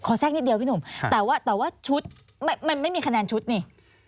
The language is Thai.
แทรกนิดเดียวพี่หนุ่มแต่ว่าชุดมันไม่มีคะแนนชุดนี่